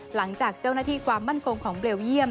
หลังจากเจ้าหน้าที่ความมั่นคงของเบลเยี่ยม